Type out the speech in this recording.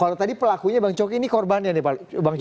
kalau tadi pelakunya bang coki ini korbannya nih pak coki